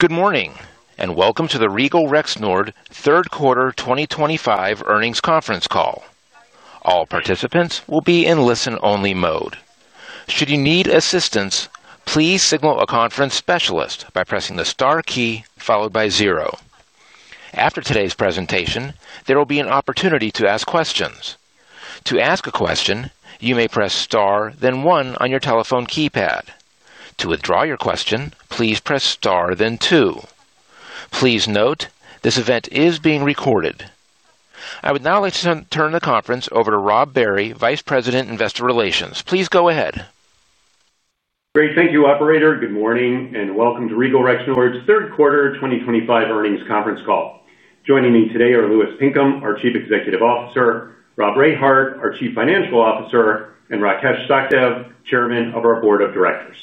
Good morning and welcome to the Regal Rexnord Corporation third quarter 2025 earnings conference call. All participants will be in listen only mode. Should you need assistance, please signal a conference specialist by pressing the star key followed by zero. After today's presentation, there will be an opportunity to ask questions. To ask a question, you may press star then one on your telephone keypad. To withdraw your question, please press Star then two. Please note this event is being recorded. I would now like to turn the conference over to Rob Barry, Vice President of Investor Relations. Please go ahead. Great. Thank you, operator. Good morning and welcome to Regal Rexnord's third quarter 2025 earnings conference call. Joining me today are Louis Pinkham, our Chief Executive Officer, Rob Rehard, our Chief Financial Officer, and Rakesh Sachdev, Chairman of our Board of Directors.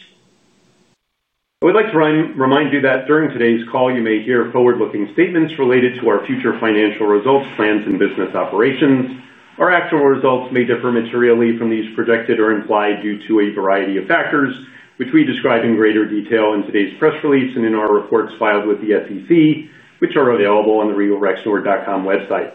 I would like to remind you that during today's call you may hear forward-looking statements related to our future financial results, plans, and business operations. Our actual results may differ materially from these projected or implied due to a variety of factors, which we describe in greater detail in today's press release and in our reports filed with the SEC which are available on the regalrexnord.com website.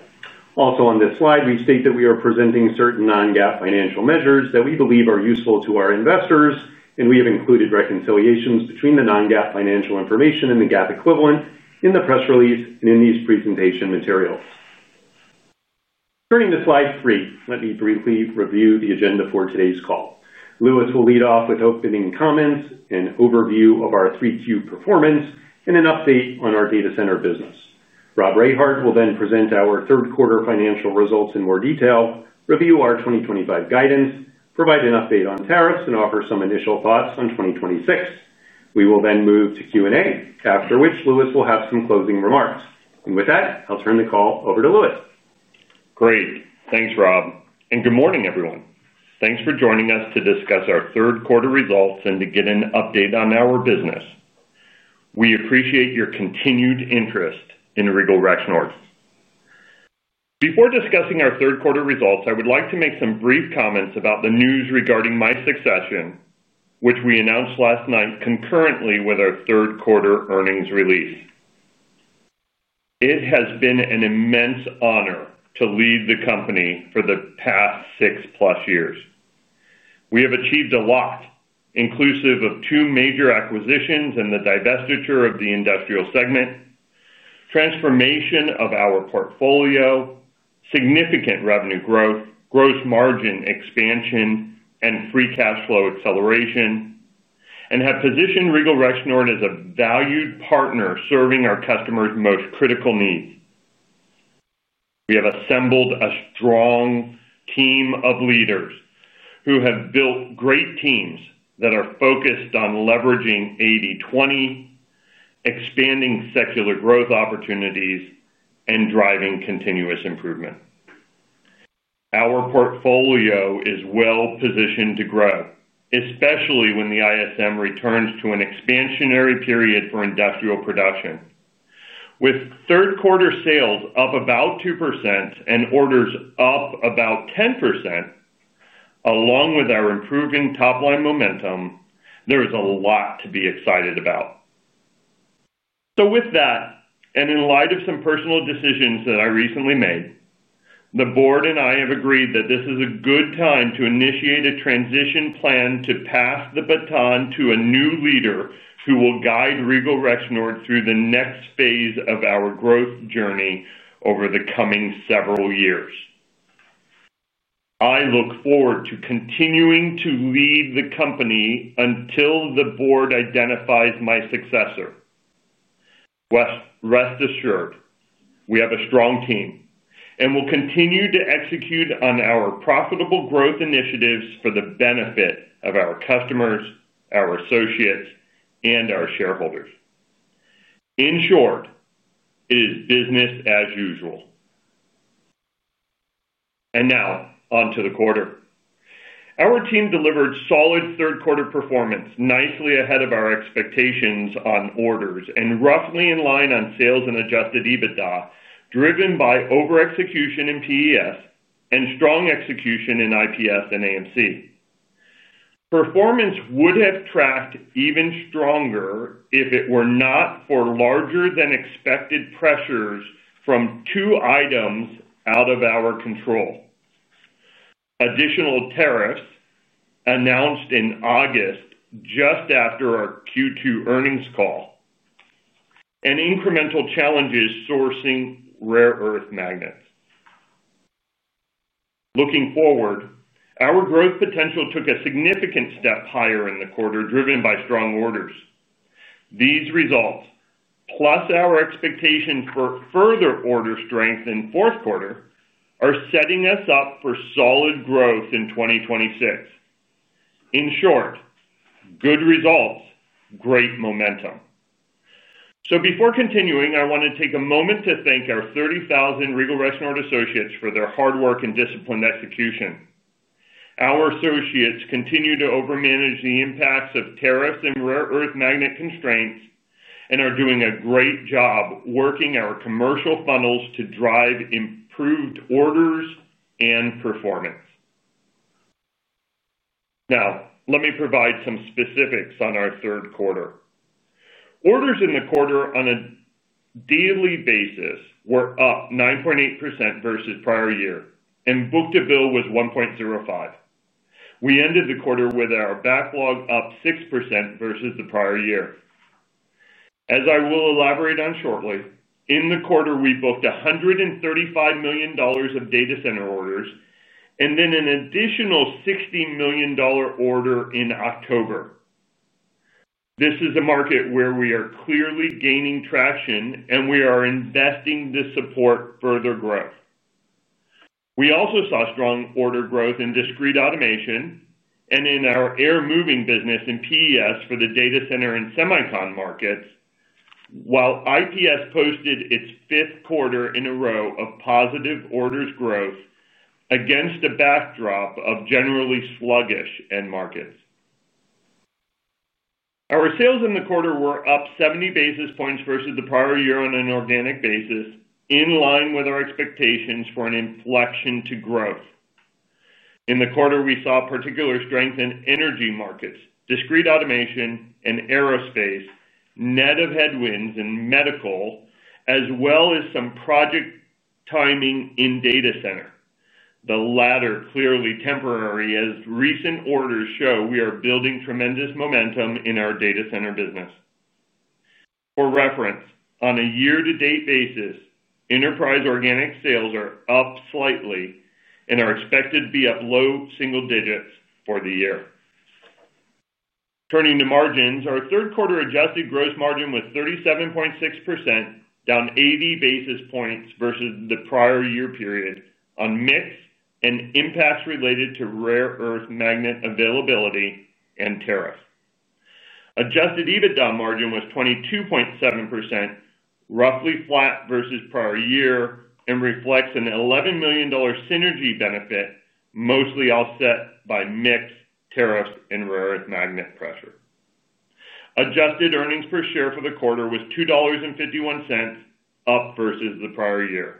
Also on this slide, we state that we are presenting certain non-GAAP financial measures that we believe are useful to our investors, and we have included reconciliations between the non-GAAP financial information and the GAAP equivalent in the press release and in these presentation materials. Turning to Slide 3, let me briefly review the agenda for today's call. Louis will lead off with opening comments, an overview of our 3Q performance, and an update on our data center business. Rob Rehard will then present our third quarter financial results in more detail, review our 2025 guidance, provide an update on tariffs, and offer some initial thoughts on 2026. We will then move to Q&A after which Louis will have some closing remarks, and with that I'll turn the call over to Louis. Great. Thanks, Rob, and good morning everyone. Thanks for joining us to discuss our third quarter results and to get an update on our business. We appreciate your continued interest in Regal Rexnord. Before discussing our third quarter results, I would like to make some brief comments about the news regarding my succession, which we announced last night concurrently with our third quarter earnings release. It has been an immense honor to lead the company for the past six plus years. We have achieved a lot, inclusive of two major acquisitions and the divestiture of the industrial segment, transformation of our portfolio, significant revenue growth, gross margin expansion, and free cash flow acceleration, and have positioned Regal Rexnord as a valued partner serving our customers' most critical needs. We have assembled a strong technology team of leaders who have built great teams that are focused on leveraging 80/20, expanding secular growth opportunities, and driving continuous improvement. Our portfolio is well positioned to grow, especially when the ISM returns to an expansionary period for industrial production. With third quarter sales up about 2% and orders up about 10%, along with our improving top line momentum, there is a lot to be excited about. In light of some personal decisions that I recently made, the Board and I have agreed that this is a good time to initiate a transition plan to pass the baton to a new leader who will guide Regal Rexnord through the next phase of our growth journey over the coming several years. I look forward to continuing to lead the company until the Board identifies my successor. Rest assured, we have a strong team and will continue to execute on our profitable growth initiatives for the benefit of our customers, our associates, and our shareholders. In short, it is business as usual and now onto the quarter. Our team delivered solid third quarter performance, nicely ahead of our expectations on orders and roughly in line on sales and adjusted EBITDA, driven by over-execution in PES and strong execution in IPS and AMC. Performance would have tracked even stronger if it were not for larger than expected pressures from two items out of our control, additional tariffs announced in August just after our Q2 earnings call, and incremental challenges sourcing rare earth magnets. Looking forward, our growth potential took a significant step higher in the quarter driven by strong orders. These results plus our expectation for further order strength in fourth quarter are setting us up for solid growth in 2026. In short, good results, great momentum. Before continuing, I want to take a moment to thank our 30,000 Regal Rexnord associates for their hard work and disciplined execution. Our associates continue to over manage the impacts of tariffs and rare earth magnet constraints and are doing a great job working our commercial funnels to drive improved orders and performance. Now let me provide some specifics on our third quarter. Orders in the quarter on a daily basis were up 9.8% versus prior year and book-to-bill was 1.05. We ended the quarter with our backlog up 6% versus the prior year. As I will elaborate on shortly, in the quarter we booked $135 million of data center orders and then an additional $60 million order in October. This is a market where we are clearly gaining traction and we are investing to support further growth. We also saw strong order growth in discrete automation and in our air moving business in PES for the data center and semicon markets while IPS posted its fifth quarter in a row of positive orders growth against a backdrop of generally sluggish end markets. Our sales in the quarter were up 70 basis points versus the prior year on an organic basis in line with our expectations for an inflection to growth in the quarter. We saw particular strength in energy markets, discrete automation, and aerospace net of headwinds in medical as well as some project timing in data center, the latter clearly temporary. As recent orders show, we are building tremendous momentum in our data center business. For reference, on a year to date basis, enterprise organic sales are up slightly and are expected to be up low single digits for the year. Turning to margins, our third quarter adjusted gross margin was 37.6%, down 80 basis points versus the prior year period on mix and impacts related to rare earth magnet availability. Tariff adjusted EBITDA margin was 22.7%, roughly flat versus prior year and reflects an $11 million synergy benefit mostly offset by mix, tariffs, and rare earth magnet pressure. Adjusted EPS for the quarter was $2.51, up versus the prior year.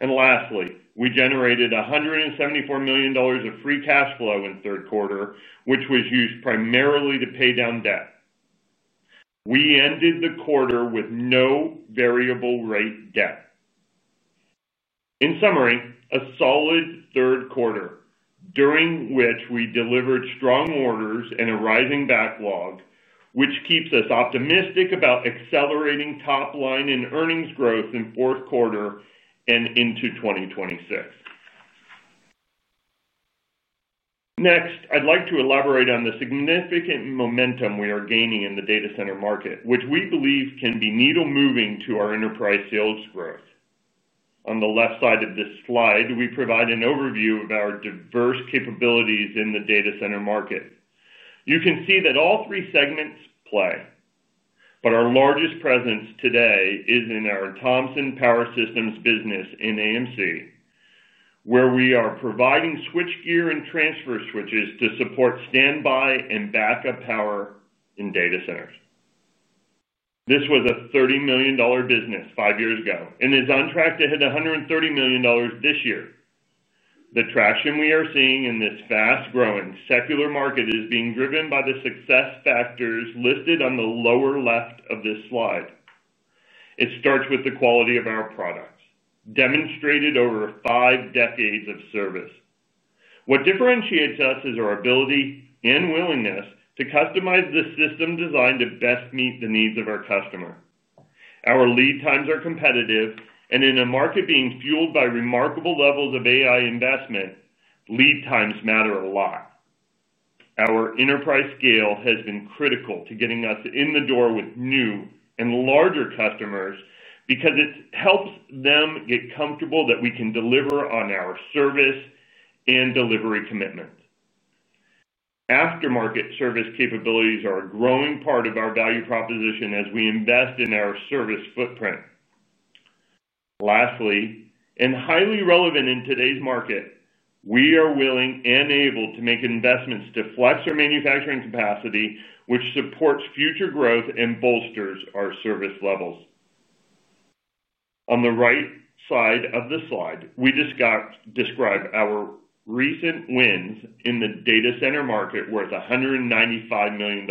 Lastly, we generated $174 million of free cash flow in third quarter, which was used primarily to pay. We ended the quarter with no variable rate debt. In summary, a solid third quarter during which we delivered strong orders and a rising backlog, which keeps us optimistic about accelerating top line and earnings growth in fourth quarter and into 2020. Next, I'd like to elaborate on the significant momentum we are gaining in the data center market, which we believe can be needle moving to our enterprise sales growth. On the left side of this slide, we provide an overview of our diverse capabilities in the data center market. You can see that all three segments play, but our largest presence today is in our Thompson Power Systems business in AMC, where we are providing switchgear and transfer switches to support standby and backup power in data centers. This was a $30 million business five years ago and is on track to hit $130 million this year. The traction we are seeing in this fast growing secular market is being driven by the success factors listed on the lower left of this slide. It starts with the quality of our products demonstrated over five decades of service. What differentiates us is our ability and willingness to customize the system designed to best meet the needs of our customer. Our lead times are competitive, and in a market being fueled by remarkable levels of AI investment, lead times matter a lot. Our enterprise scale has been critical to getting us in the door with new and larger customers because it helps them get comfortable that we can deliver on our service and delivery commitment. Aftermarket service capabilities are a growing part of our value proposition as we invest in our service footprint. Lastly, and highly relevant in today's market, we are willing and able to make investments to flex our manufacturing capacity, which supports future growth and bolsters our service levels. On the right side of the slide, we describe our recent wins in the data center market worth $195 million.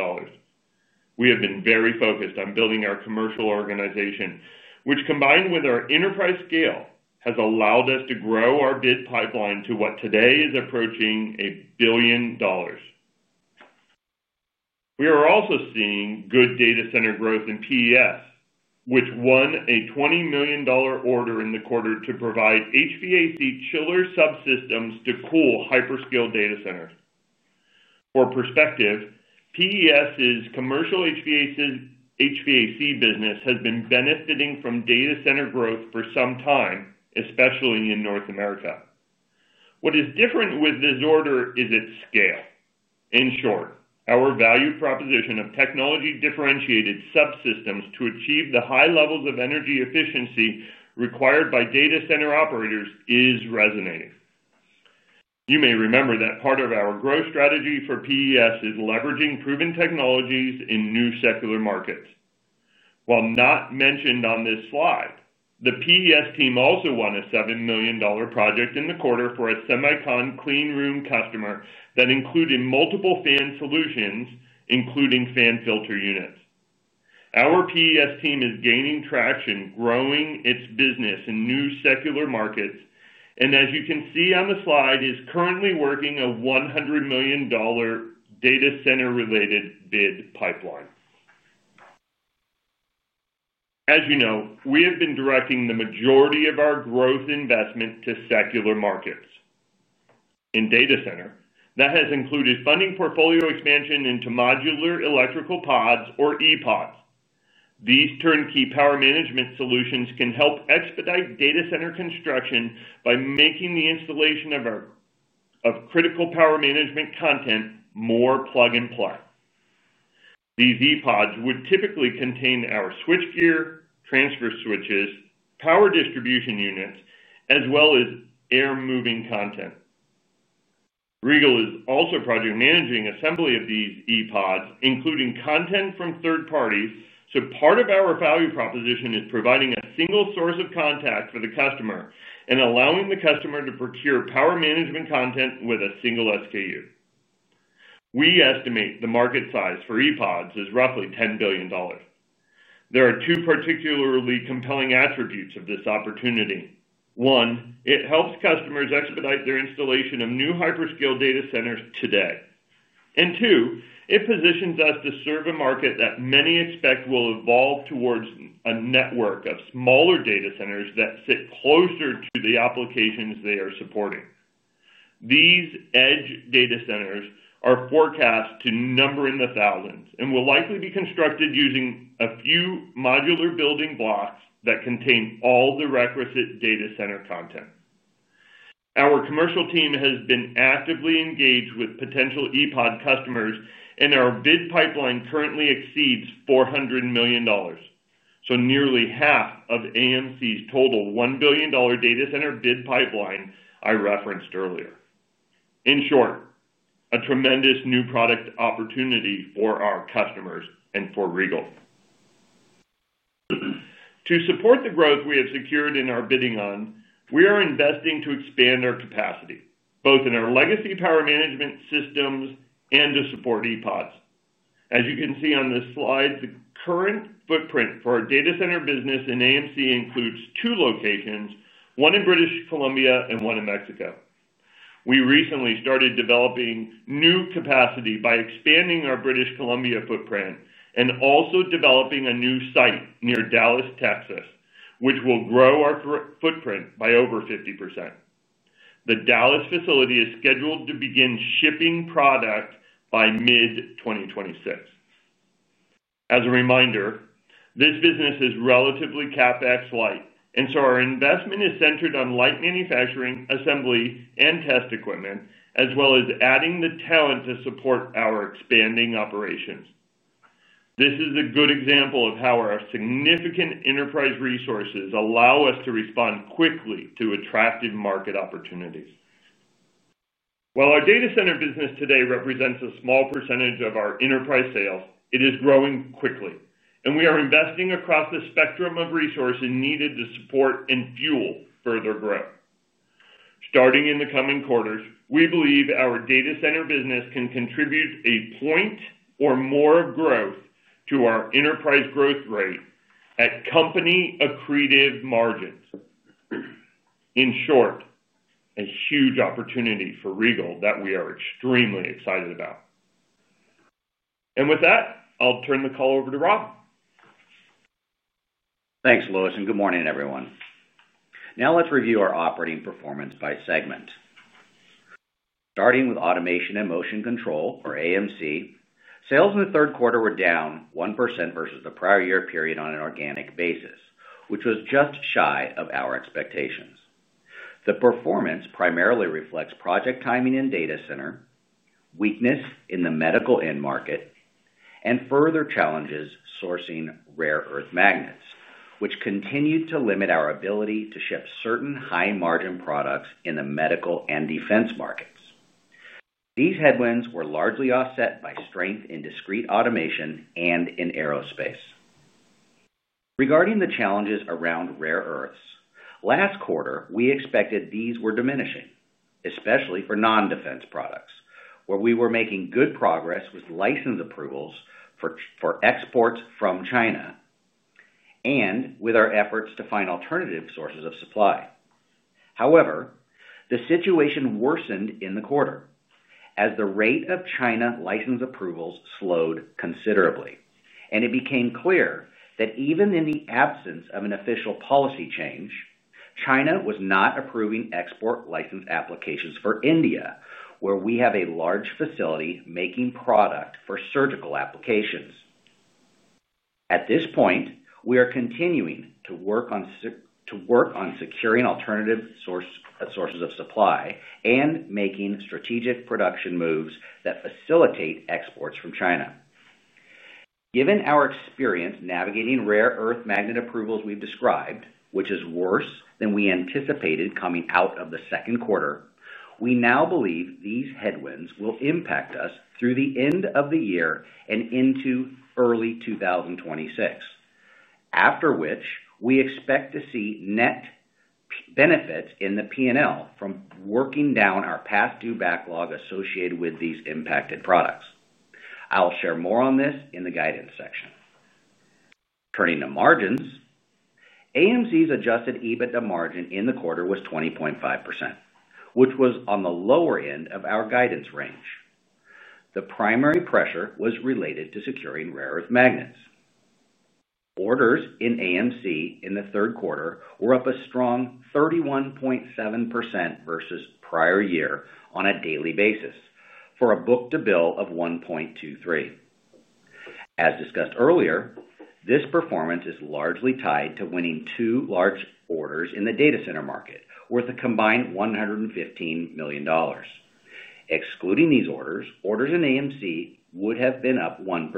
We have been very focused on building our commercial organization, which combined with our enterprise scale, has allowed us to grow our bid pipeline to what today is approaching a $1 billion. We are also seeing good data center growth in PES, which won a $20 million order in the quarter to provide HVAC chiller subsystems to cool hyperscale data centers. For perspective, PES's commercial HVAC business has been benefiting from data center growth for some time, especially in North America. What is different with this order is its scale. In short, our value proposition of technology-differentiated subsystems to achieve the high levels of energy efficiency required by data center operators is resonating. You may remember that part of our growth strategy for PES is leveraging proven technologies in new secular markets. While not mentioned on this slide, the PES team also won a $7 million project in the quarter for a semicon clean room customer that included multiple fan solutions, including fan filter units. Our PES team is gaining traction, growing its business in new secular markets, and as you can see on the slide, is currently working a $100 million data center-related bid pipeline. As you know, we have been directing the majority of our growth investment to secular markets in data center that has included funding portfolio expansion into modular electrical pods, or ePods. These turnkey power management solutions can help expedite data center construction by making the installation of our critical power management content more plug and play. These ePods would typically contain our switchgear, transfer switches, power distribution units, as well as air moving content. Regal is also project managing assembly of these ePods, including content from third parties. Part of our value proposition is providing a single source of contact for the customer and allowing the customer to procure power management content with a single SKU. We estimate the market size for ePods is roughly $10 billion. There are two particularly compelling attributes of this opportunity. One, it helps customers expedite their installation of new hyperscale data centers today, and two, it positions us to serve a market that many expect will evolve towards a network of smaller data centers that sit closer to the applications they are supporting. These edge data centers are forecast to number in the thousands and will likely be constructed using a few modular building blocks that contain all the requisite data center content. Our commercial team has been actively engaged with potential ePods customers and our bid pipeline currently exceeds $400 million, so nearly half of AMC's total $1 billion data center bid pipeline I referenced earlier. In short, a tremendous new product opportunity for our customers and for Regal Rexnord. To support the growth we have secured in our bidding on, we are investing to expand our capacity both in our legacy power management systems and to support ePods. As you can see on this slide, the current footprint for our data center business in AMC includes two locations, one in British Columbia and one in Mexico. We recently started developing new capacity by expanding our British Columbia footprint and also developing a new site near Dallas, Texas, which will grow our footprint by over 50%. The Dallas facility is scheduled to begin shipping product by mid-2026. As a reminder, this business is relatively CapEx light and so our investment is centered on light manufacturing, assembly, and test equipment as well as adding the talent to support our expanding operations. This is a good example of how our significant enterprise resources allow us to respond quickly to attractive market opportunities. While our data center business today represents a small percentage of our enterprise sales, it is growing quickly and we are investing across the spectrum of resources needed to support and fuel further growth starting in the coming quarters. We believe our data center business can contribute a point or more growth to our enterprise growth rate at company accretive margins. In short, a huge opportunity for Regal Rexnord that we are extremely excited about. With that, I'll turn the call over to Rob. Thanks Louis and good morning everyone. Now let's review our operating performance by segment, starting with Automation and Motion Control, or AMC. Sales in the third quarter were down 1% versus the prior year period on an organic basis, which was just shy of our expectations. The performance primarily reflects project timing in data center, weakness in the medical end market, and further challenges sourcing rare earth magnets, which continued to limit our ability to ship certain high margin products in the medical and defense markets. These headwinds were largely offset by strength in discrete automation and in aerospace. Regarding the challenges around rare earths, last quarter we expected these were diminishing, especially for non-defense products where we were making good progress with license approvals for exports from China and with our efforts to find alternative sources of supply. However, the situation worsened in the quarter as the rate of China license approvals slowed considerably, and it became clear that even in the absence of an official policy change, China was not approving export license applications for India, where we have a large facility making product for surgical applications. At this point, we are continuing to work on securing alternative sources of supply and making strategic production moves that facilitate exports from China. Given our experience navigating rare earth magnet approvals we've described, which is worse than we anticipated coming out of the second quarter, we now believe these headwinds will impact us through the end of the year and into early 2026, after which we expect to see net benefits in the P&L from working down our past due backlog associated with these impacted products. I'll share more on this in the guidance section. Turning to margins, AMC's adjusted EBITDA margin in the quarter was 20.5%, which was on the lower end of our guidance range. The primary pressure was related to securing rare earth magnets. Orders in AMC in the third quarter were up a strong 31.7% versus prior year on a daily basis, for a book-to-bill of 1.23. As discussed earlier, this performance is largely tied to winning two large orders in the data center market worth a combined $115 million. Excluding these orders, orders in AMC would have been up 1%,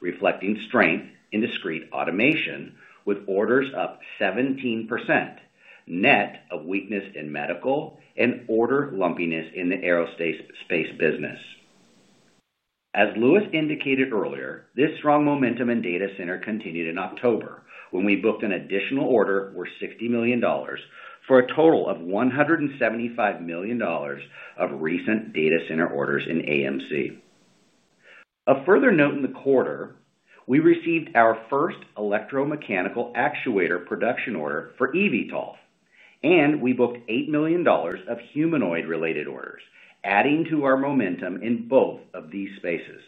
reflecting strength in discrete automation with orders up 17% net of weakness in medical and order lumpiness in the aerospace business. As Louis indicated earlier, this strong momentum in data center continued in October when we booked an additional order worth $60 million for a total of $175 million of recent data center orders in AMC. A further note, in the quarter we received our first electromechanical actuator production order for eVTOL and we booked $8 million of humanoid related orders, adding to our momentum in both of these spaces.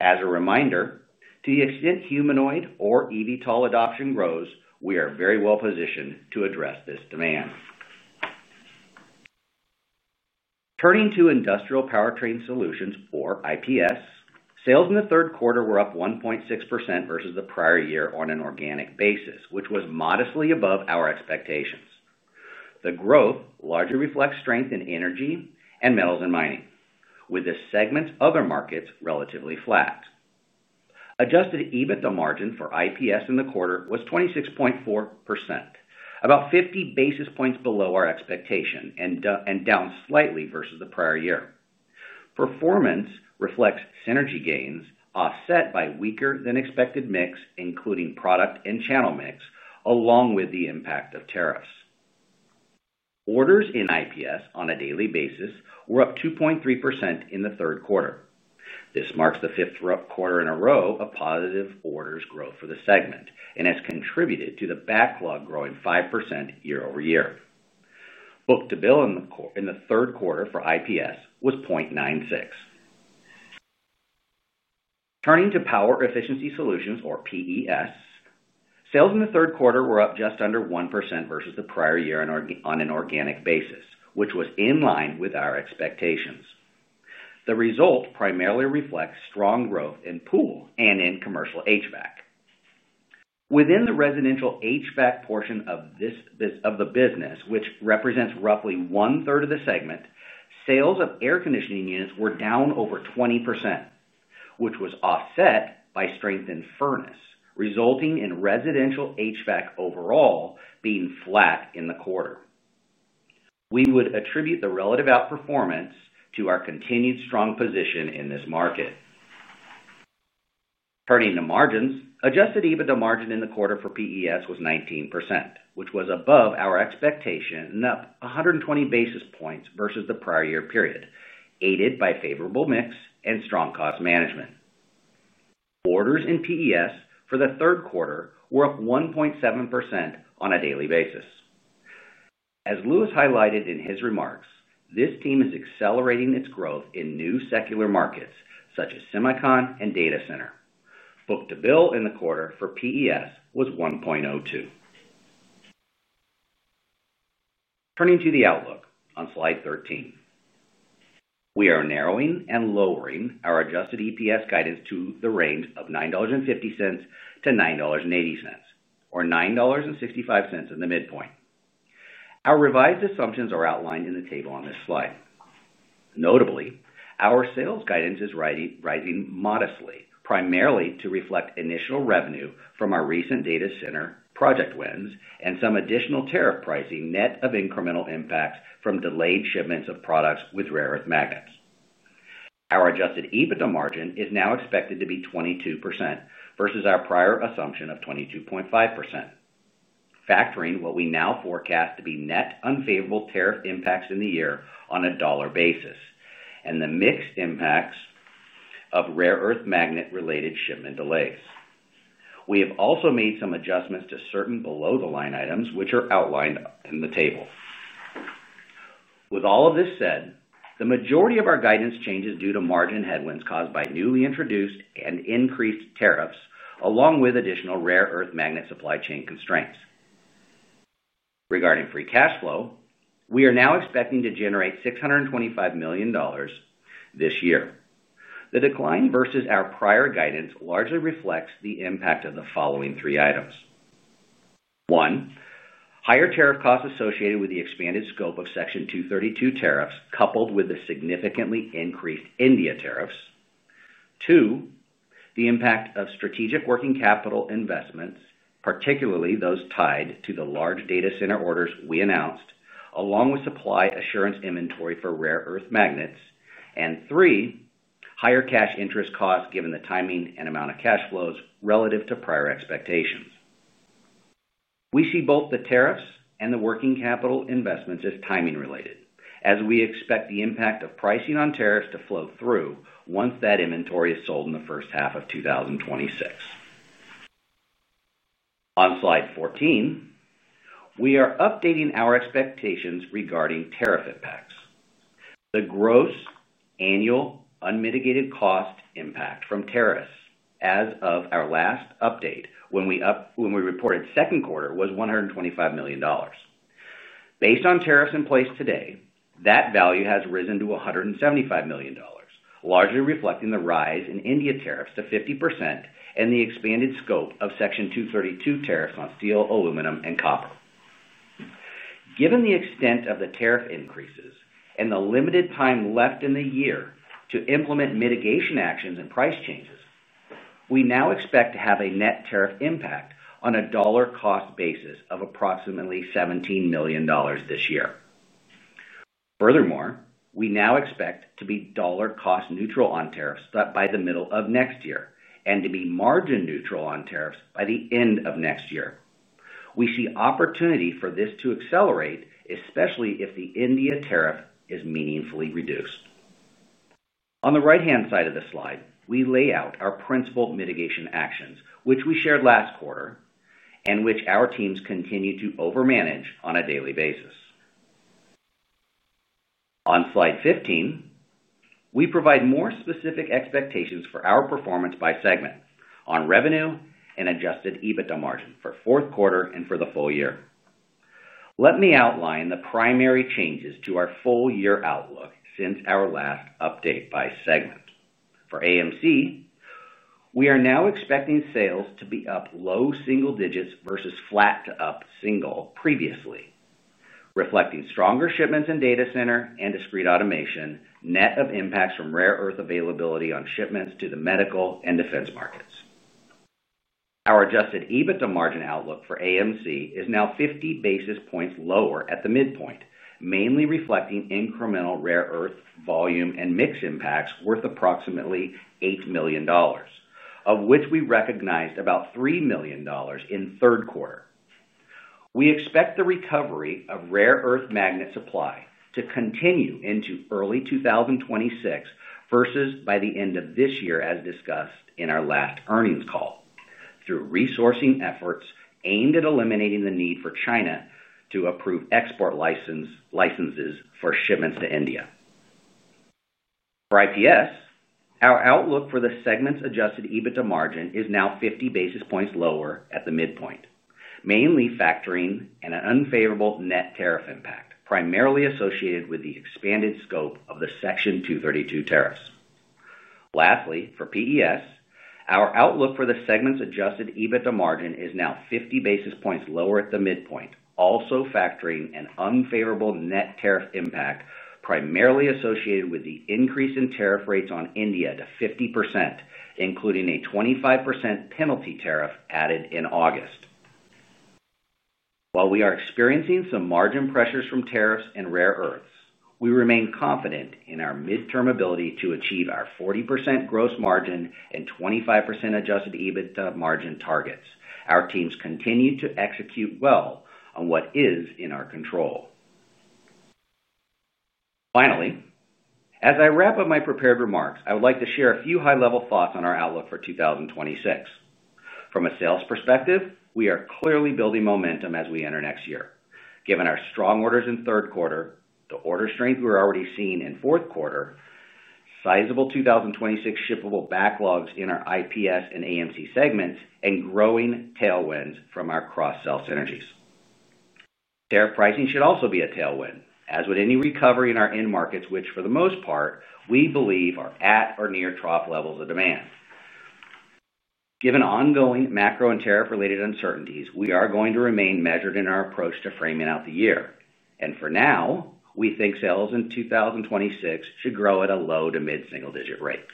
As a reminder, to the extent humanoid or eVTOL adoption grows, we are very well positioned to address this demand. Turning to Industrial Powertrain Solutions, or IPS, sales in the third quarter were up 1.6% versus the prior year on an organic basis, which was modestly above our expectations. The growth largely reflects strength in energy and metals and mining, with the segment's other markets relatively flat. Adjusted EBITDA margin for IPS in the quarter was 26.4%, about 50 basis points below our expectation and down slightly versus the prior year. Performance reflects synergy gains offset by weaker than expected mix, including product and channel mix, along with the impact of tariffs. Orders in IPS on a daily basis were up 2.3% in the third quarter. This marks the fifth quarter in a row of positive orders growth for the segment and has contributed to the backlog growing 5% year-over-year. Book-to-bill in the third quarter for IPS was 0.96. Turning to Power Efficiency Solutions, or PES, sales in the third quarter were up just under 1% versus the prior year on an organic basis, which was in line with our expectations. The result primarily reflects strong growth in pool and in commercial HVAC within the residential HVAC portion of the business, which represents roughly one third of the segment. Sales of air conditioning units were down over 20%, which was offset by strength in furnace, resulting in residential HVAC overall being flat in the quarter. We would attribute the relative outperformance to our continued strong position in this market. Turning to margins, adjusted EBITDA margin in the quarter for PES was 19%, which was above our expectation, up 120 basis points versus the prior year period, aided by favorable mix and strong cost management. Orders in PES for the third quarter were up 1.7% on a daily basis. As Louis highlighted in his remarks, this team is accelerating its growth in new secular markets such as semicon and data center. Book-to-bill in the quarter for PES was 1.02. Turning to the outlook on slide 13, we are narrowing and lowering our adjusted EPS guidance to the range of $9.50-$9.80, or $9.65 at the midpoint. Our revised assumptions are outlined in the table on this slide. Notably, our sales guidance is rising modestly, primarily to reflect initial revenue from our recent data center project wins and some additional tariff pricing, net of incremental impacts from delayed shipments of products with rare earth magnets. Our adjusted EBITDA margin is now expected to be 22% versus our prior assumption of 22.5%. Factoring what we now forecast to be net unfavorable tariff impacts in the year on a dollar basis and the mixed impacts of rare earth magnet-related shipment delays. We have also made some adjustments to certain below the line items, which are outlined in the table. With all of this said, the majority of our guidance change is due to margin headwinds caused by newly introduced and increased tariffs, along with additional rare earth magnet supply chain constraints. Regarding free cash flow, we are now expecting to generate $625 million this year. The decline versus our prior guidance largely reflects the impact of the following three items: 1. Higher tariff costs associated with the expanded scope of Section 232 tariffs, coupled with the significantly increased India tariffs. 2. The impact of strategic working capital investments, particularly those tied to the large data center orders we announced, along with supply assurance inventory for rare earth magnets, and 3. higher cash interest costs. Given the timing and amount of cash flows relative to prior expectations, we see both the tariffs and the working capital investments as timing-related, as we expect the impact of pricing on tariffs to flow through once that inventory is sold in the first half of 2026. On slide 14, we are updating our expectations regarding tariff impacts. The gross annual unmitigated cost impact from tariffs as of our last update when we reported second quarter was $125 million. Based on tariffs in place today, that value has risen to $175 million, largely reflecting the rise in India tariffs to 50% and the expanded scope of Section 232 tariffs on steel, aluminum, and copper. Given the extent of the tariff increases and the limited time left in the year to implement mitigation actions and price changes, we now expect to have a net tariff impact on a dollar cost basis of approximately $17 million this year. Furthermore, we now expect to be dollar cost neutral on tariffs by the middle of next year and to be margin neutral on tariffs by the end of next year. We see opportunity for this to accelerate, especially if the India tariff is meaningfully reduced. On the right-hand side of the slide, we lay out our principal mitigation actions, which we shared last quarter and which our teams continue to over-manage on a daily basis. On slide 15, we provide more specific expectations for our performance by segment on revenue and adjusted EBITDA margin for fourth quarter and for the full year. Let me outline the primary changes to our full year outlook since our last update by segment. For AMC, we are now expecting sales to be up low single digits versus flat to up single, previously reflecting stronger shipments in data center and discrete automation, net of impacts from rare earth availability on shipments to the medical and defense markets. Our adjusted EBITDA margin outlook for AMC is now 50 basis points lower at the midpoint, mainly reflecting incremental rare earth volume and mix impacts worth approximately $8 million, of which we recognized about $3 million in third quarter. We expect the recovery of rare earth magnet supply to continue into early 2026 versus by the end of this year as discussed in our last earnings call. Through resourcing efforts aimed at eliminating the need for China to approve export licenses for shipments to India, for IPS, our outlook for the segment's adjusted EBITDA margin is now 50 basis points lower at the midpoint, mainly factoring in an unfavorable net tariff impact primarily associated with the expanded scope of the Section 232 tariffs. Lastly, for PES, our outlook for the segment's adjusted EBITDA margin is now 50 basis points lower at the midpoint, also factoring an unfavorable net tariff impact primarily associated with the increase in tariff rates on India to 50%, including a 25% penalty tariff added in August. While we are experiencing some margin pressures from tariffs and rare earths, we remain confident in our mid-term ability to achieve our 40% gross margin and 25% adjusted EBITDA margin targets. Our teams continue to execute well on what is in our control. Finally, as I wrap up my prepared remarks, I would like to share a few high-level thoughts on our outlook for 2026. From a sales perspective, we are clearly building momentum as we enter next year given our strong orders in the third quarter, the order strength we're already seeing in the fourth quarter, sizable 2026 shippable backlogs in our IPS and AMC segments, and growing tailwinds from our cross sell synergies. Tariff pricing should also be a tailwind, as would any recovery in our end markets, which for the most part we believe are at or near trough levels of demand. Given ongoing macro and tariff-related uncertainties, we are going to remain measured in our approach to framing out the year, and for now we think sales in 2026 should grow at a low to mid single digit rate.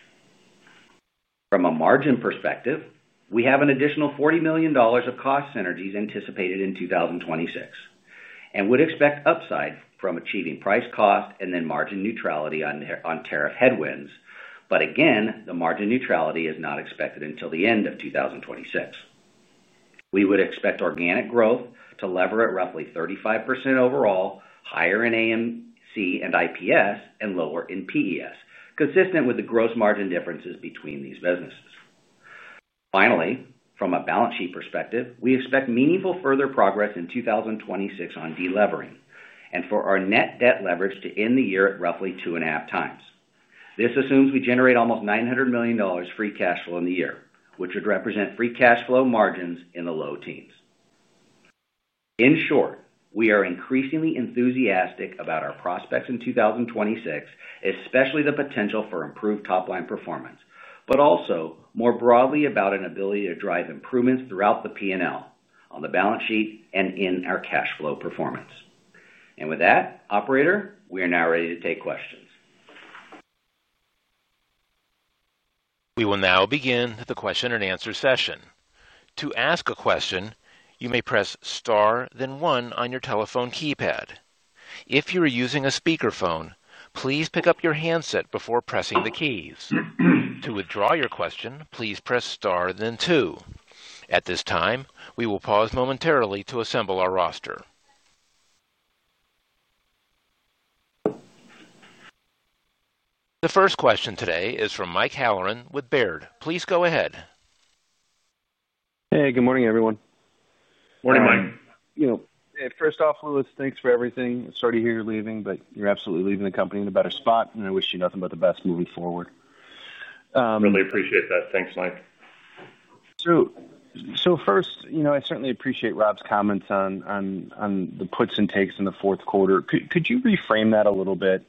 From a margin perspective, we have an additional $40 million of cost synergies anticipated in 2026 and would expect upside from achieving price cost and then margin neutrality on tariff headwinds. Again, the margin neutrality is not expected until the end of 2026. We would expect organic growth to lever at roughly 35% overall, higher in AMC and IPS and lower in PES, consistent with the gross margin differences between these businesses. Finally, from a balance sheet perspective, we expect meaningful further progress in 2026 on deleveraging and for our net debt leverage to end the year at roughly 2.5x. This assumes we generate almost $900 million free cash flow in the year, which would represent free cash flow margins in the low teens. In short, we are increasingly enthusiastic about our prospects in 2026, especially the potential for improved top line performance, but also more broadly about an ability to drive improvements throughout the P&L, on the balance sheet, and in our cash flow performance. With that, operator, we are now ready to take questions. We will now begin the question and answer session. To ask a question, you may press star then one on your telephone keypad. If you are using a speakerphone, please pick up your handset before pressing the keys. To withdraw your question, please press Star, then 2. At this time, we will pause momentarily to assemble our roster. The first question today is from Mike Halloran with Baird. Please go ahead. Hey, good morning, everyone. Morning, Mike. First off, Louis, thanks for everything. Sorry to hear you're leaving, but you're absolutely leaving the company in a better spot. I wish you nothing but the best moving forward. Really appreciate that. Thanks, Mike. First, I certainly appreciate Rob's comments on the puts and takes in the fourth quarter. Could you reframe that a little bit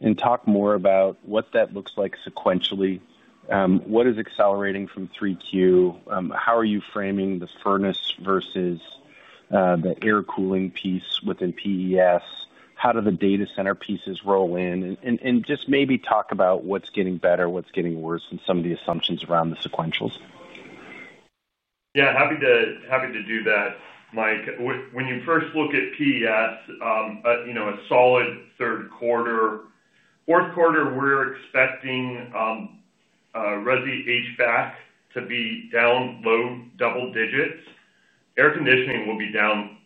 and talk more about what that looks like sequentially? What is accelerating from 3Q? How are you framing the furnace versus the air cooling piece within PES? How do the data center pieces roll in? Just maybe talk about what's getting better, what's getting worse, and some of the assumptions around the sequentials. Yeah, happy to do that, Mike. When you first look at PES, you know, a solid third quarter, fourth quarter, we're expecting Resi HVAC to be down low double digits. Air conditioning will be down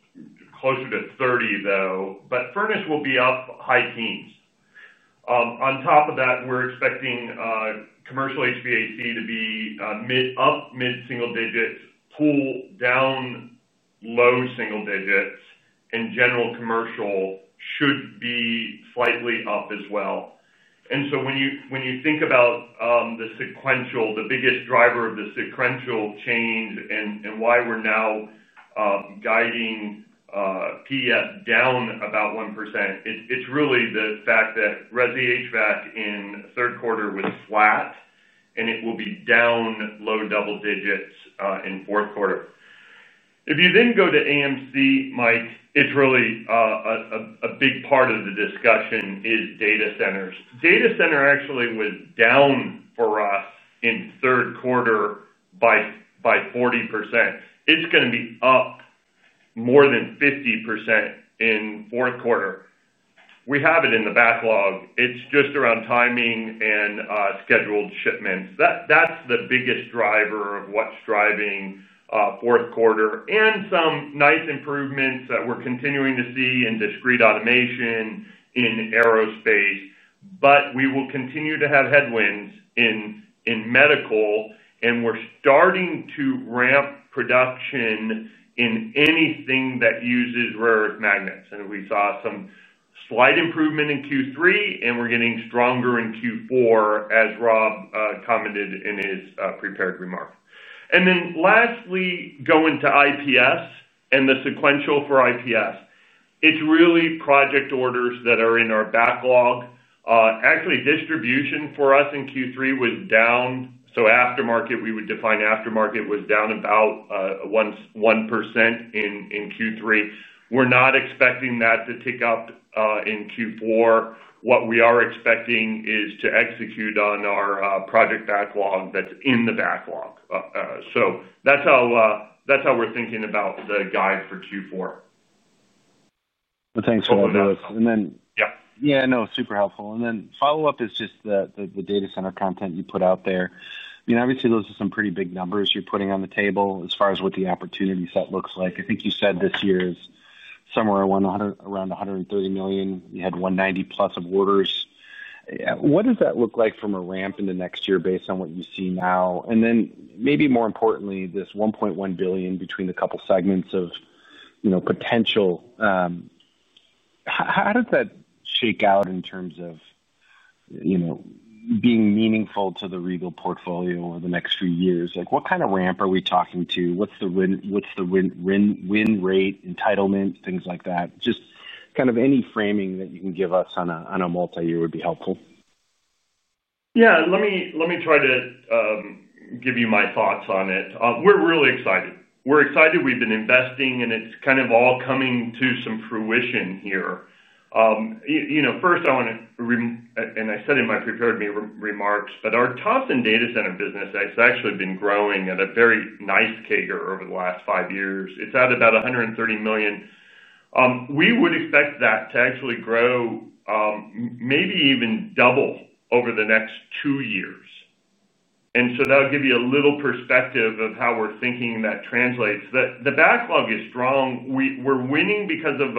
closer to 30%, though, but furnace will be up high teens. On top of that, we're expecting commercial HVAC to be up mid single digits, pool down low single digits, and general commercial should be slightly up as well. When you think about the sequential, the biggest driver of the sequential change and why we're now guiding PF down about 1%, it's really the fact that Resi HVAC in third quarter was flat and it will be down low double digits in fourth quarter. If you then go to AMC, Mike, it's really a big part of the discussion is data centers. Data center actually was down for us in third quarter by 40%. It's going to be up more than 50% in fourth quarter. We have it in the backlog. It's just around timing and scheduled shipments. That's the biggest driver of what's driving fourth quarter. Some nice improvements that we're continuing to see in discrete automation in aerospace, but we will continue to have headwinds in medical, and we're starting to ramp production in anything that uses rare earth magnets. We saw some slight improvement in Q3 and we're getting stronger in Q4, as Rob commented in his prepared remark. Lastly, going to IPS and the sequential. For IPS, it's really project orders that are in our backlog. Actually, distribution for us in Q3 was down. Aftermarket, we would define aftermarket was down about 1% in Q3. We're not expecting that to tick up in Q4. What we are expecting is to execute on our project backlog. That's in the backlog. That's how we're thinking about the guide for Q4. Thanks. No, super helpful. The follow up is just the data center content you put out there. Obviously those are some pretty big numbers you're putting on the table as far. As what the opportunity set looks like, I think you said this year is somewhere around $130 million. You had $190 million plus of orders. What does that look like from a ramp in the next year based on what you see now and then, maybe more importantly, this $1.1 billion between a couple segments of potential, how does that shake out in terms of being meaningful to the Regal Rexnord portfolio over the next few years? What kind of ramp are we talking to? What's the win rate, entitlement, things like that. Just kind of any framing that you can give us on a multi-year would be helpful. Yeah. Let me try to give you my thoughts on it. We're really excited. We're excited. We've been investing and it's kind of all coming to some fruition here. First, I want to, and I said in my prepared remarks, but our Thompson Power Systems data center business has actually been growing at a very nice CAGR over the last five years. It's at about $130 million. We would expect that to actually grow, maybe even double over the next two years. That will give you a little perspective of how we're thinking that translates. The backlog is strong. We're winning because of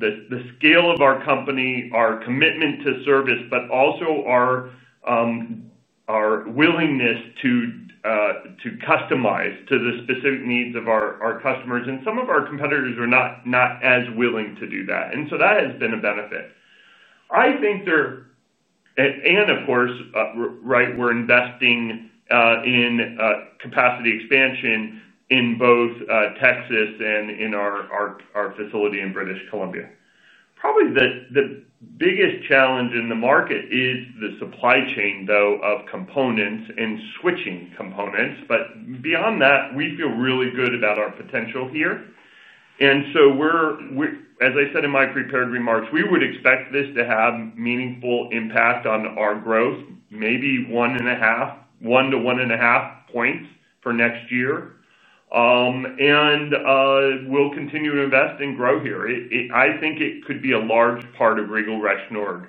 the scale of our company, our commitment to service, but also our willingness to customize to the specific needs of our customers. Some of our competitors are not as willing to do that, and that has been a benefit. I think they're, of course, right. We're investing in capacity expansion in both Texas and in our facility in British Columbia. Probably the biggest challenge in the market is the supply chain of components and switching components. Beyond that, we feel really good about our potential here. As I said in my prepared remarks, we would expect this to have meaningful impact on our growth, maybe one to one and a half points for next year. We'll continue to invest and grow here. I think it could be a large part of Regal Rexnord Corporation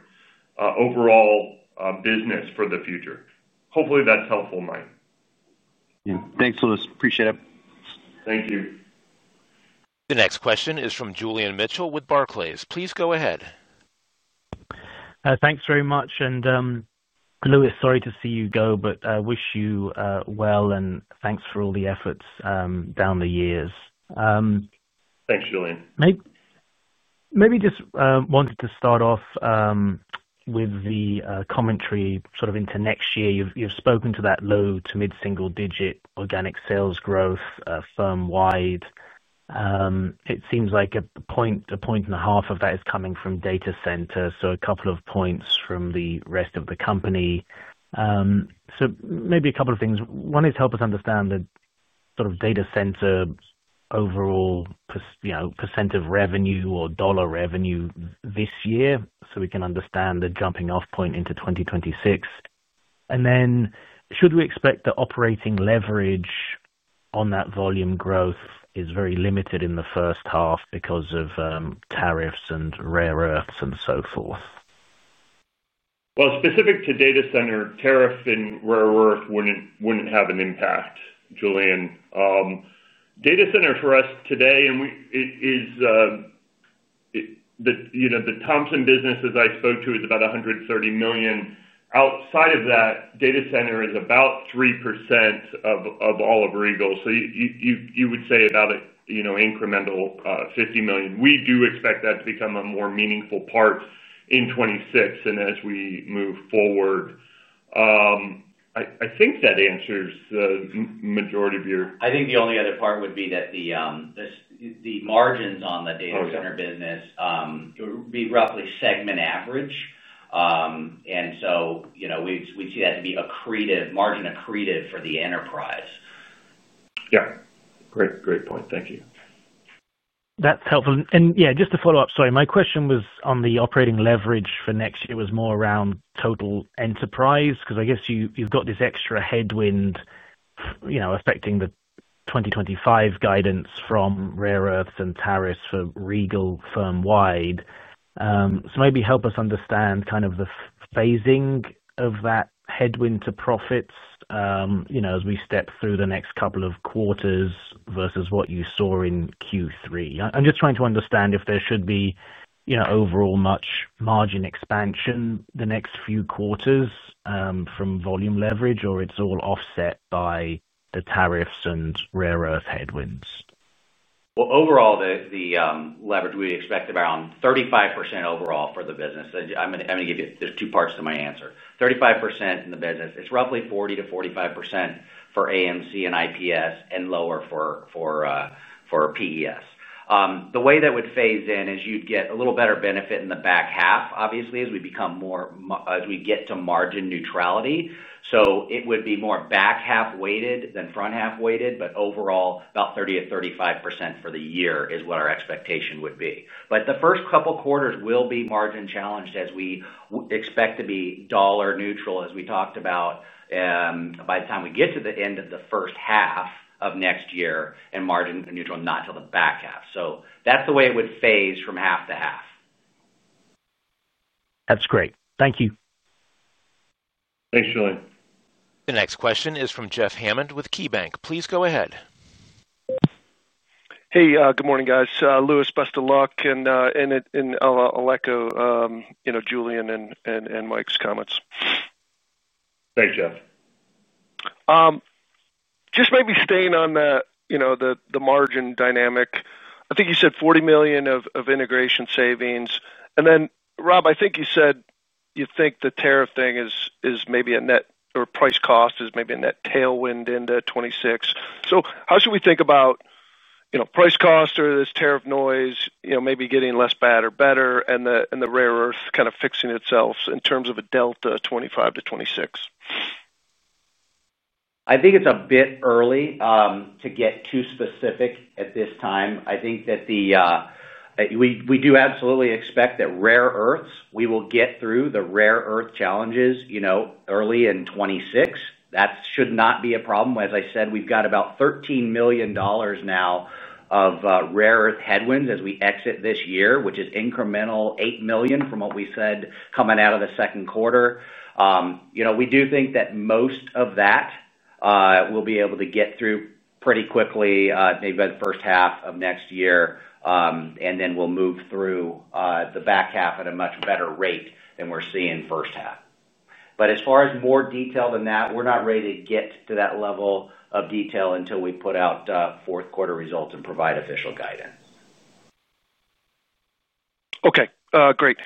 overall business for the future. Hopefully that's helpful, Mike. Thanks, Louis. Appreciate it. Thank you. The next question is from Julian Mitchell with Barclays. Please go ahead. Thanks very much. Louis, sorry to see you go but wish you well and thanks for all the efforts down the years. Thanks Julian. Maybe just wanted to start off with the commentary sort of into next year. You've spoken to that low to mid single digit organic sales growth firm wide. It seems like a point and a half of that is coming from data center, so a couple of points from the rest of the company. Maybe a couple of things. One is help us understand that sort of data center overall % of revenue or dollar revenue this year so we can understand the jumping off point into 2026, and then should we expect the operating leverage on that volume growth is very limited in the first half because of tariffs and rare earths and so forth. Specific to data center tariff in rare earth wouldn't have an impact. Julian, data center for us today and, as you know, the Thompson Power Systems business as I spoke to is about $130 million. Outside of that, data center is about 3% of all of Regal Rexnord. You would say about incremental $50 million. We do expect that to become a more meaningful part in 2026 and as we move forward. I think that answers the majority of your I think, the only other part would be that the margins on the data center business be roughly segment average, and we'd see that to be accretive, margin accretive for the enterprise. Great, great point. Thank you. That's helpful. Just to follow up, sorry my question was on the operating leverage for next year, it was more around total enterprise because I guess you've got this extra headwind, you know, affecting the 2025 guidance from rare earths and tariffs for Regal Rexnord firmwide. Maybe help us understand kind of the phasing of that headwind to profits, you know, as we step through the next couple of quarters versus what you saw in Q3. I'm just trying to understand if there should be, you know, overall much margin expansion the next few quarters from volume leverage or if it's all offset by the tariffs and rare earth headwinds. Overall, the leverage, we expect about 35% overall for the business. I'm going to give you, there's two parts to my answer. 35% in the business, it's roughly 40%-45% for AMC and IPS and lower for PES. The way that would phase in is you'd get a little better benefit in the back half, obviously as we become more, as we get to margin neutrality. It would be more back half weighted than front half weighted. Overall, about 30%-35% for the year is what our expectation would be. The first couple quarters will be margin challenged as we expect to be margin neutral, as we talked about, by the time we get to the end of the first half of next year, and margin neutral not till the back half. That's the way it would phase from half to half. That's great. Thank you. Thanks, Julian. The next question is from Jeff Hammond with KeyBanc Capital Markets. Please go ahead. Hey, good morning, guys. Louis, best of luck and I'll echo Julian and Mike's comments. Thanks, Jeff. Just maybe staying on the margin dynamic. I think you said $40 million of integration savings and then Rob, I think you said you think the tariff thing is maybe a net or price cost is maybe a net tailwind into 2026. How should we think about price cost or this tariff noise maybe getting less bad or better and the rare earth kind of fixing itself in terms of a Delta 2025 to 2026? I think it's a bit early to get too specific at this time. We do absolutely expect that rare earths, we will get through the rare earth challenges, you know, early in 2026. That should not be a problem. As I said, we've got about $13 million now of rare earth headwinds as we exit this year, which is incremental $8 million from what we said coming out of the second quarter. We do think that most of that we'll be able to get through pretty quickly, maybe by the first half of next year, and then we'll move through the back half at a much better rate than we're seeing first half. As far as more detail than that, we're not ready to get to that level of detail until we put out fourth quarter results and provide official guidance. Okay, great.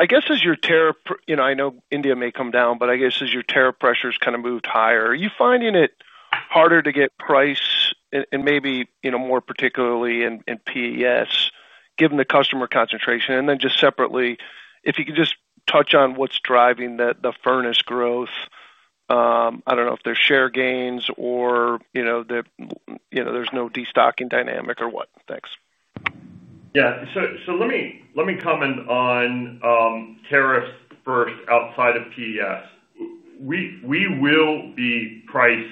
I guess as your tariff, you know, I know India may come down, but I guess as your tariff pressures kind of moved higher, are you finding it harder to get price and maybe more particularly in PES, given the customer concentration? Just separately, if you could touch on what's driving the furnace growth. I don't know if there's share gains or there's no destocking dynamic or what. Thanks. Yeah. Let me comment on tariffs first. Outside of PES, we will be price,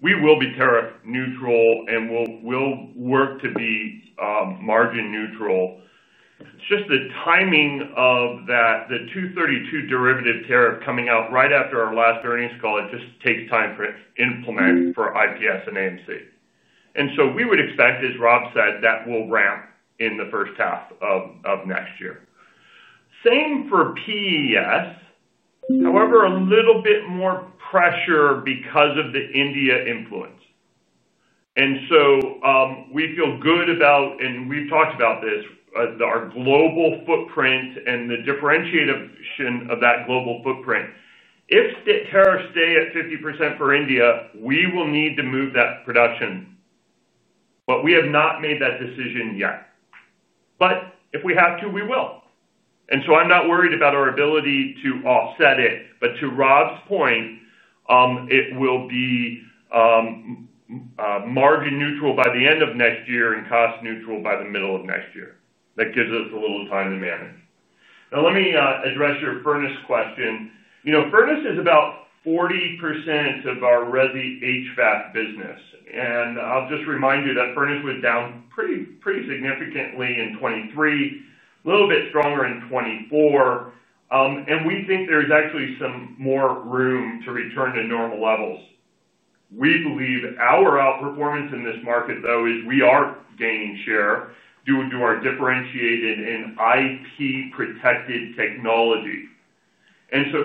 we will be tariff neutral and we'll work to be margin neutral. It's just the timing of that. The Section 232 derivative tariff coming out right after our last earnings call, it just takes time for it to implement for IPS and AMC. We would expect, as Rob said, that will ramp in the first half of next year. Same for PES, however, a little bit more pressure because of the India influence. We feel good about, and we've talked about this, our global footprint and the differentiation of that global footprint. If tariffs stay at 50% for India, we will need to move that production, but we have not made that decision yet. If we have to, we will. I'm not worried about our ability to offset it, but to Rob's point, it will be margin neutral by the end of next year and cost neutral by the middle of next year. That gives us a little time to manage. Now, let me address your furnace question. Furnace is about 40% of our resi HVAC business. I'll just remind you that furnace was down pretty significantly in 2023, a little bit stronger in 2024, and we think there's actually some more room to return to normal levels. We believe our outperformance in this market, though, is we are gaining share due to our differentiated and IP protected technology.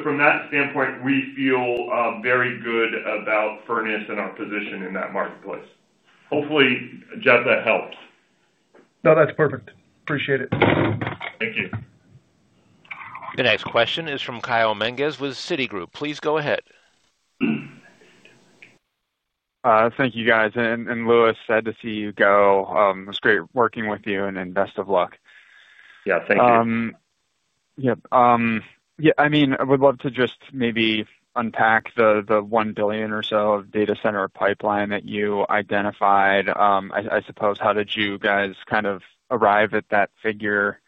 From that standpoint, we feel very good about furnace and our position in that marketplace. Hopefully, Jeff, that helps. No, that's perfect. Appreciate it. Thank you. The next question is from Kyle Menges with Citigroup. Please go ahead. Thank you, guys. And Louis, sad to see you go. It was great working with you and best of luck. Yeah, thank you. Yep. I would love to just maybe unpack the $1 billion or so data center pipeline that you identified. I suppose, how did you guys kind of arrive at that figure?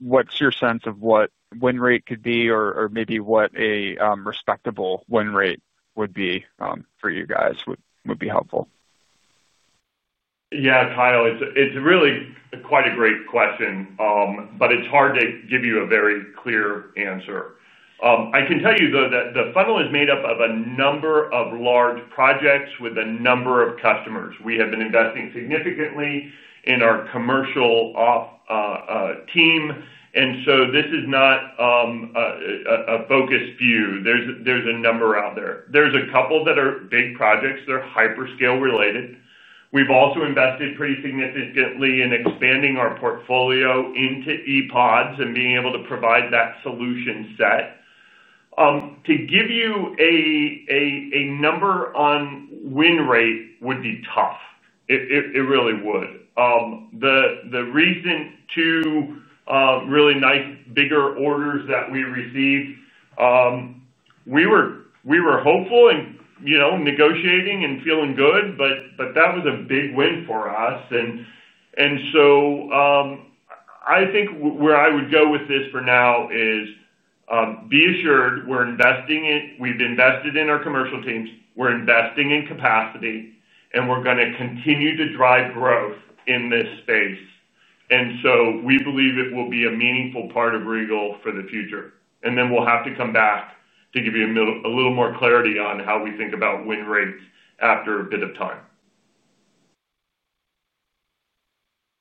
What's your sense of what win rate could be, or maybe what a respectable win rate would be for you guys would be helpful. Yeah, Kyle, it's really quite a great question, but it's hard to give you a very clear answer. I can tell you, though, that the funnel is made up of a number of large projects with a number of customers. We have been investing significantly in our commercial team, and this is not a focus view. There's a number out there. There's a couple that are big projects. They're hyperscale related. We've also invested pretty significantly in expanding our portfolio into ePods. Being able to provide that solution set, to give you a number on win rate would be tough. It really would. The recent two really nice, bigger orders that we received, we were hopeful and negotiating and feeling good, but that was a big win for us. I think where I would go with this for now is be assured we're investing. We've invested in our commercial teams, we're investing in capacity, and we're going to continue to drive growth in this space. We believe it will be a meaningful part of Regal Rexnord for the future. We'll have to come back to give you a little more clarity on how we think about win rates after a bit of time.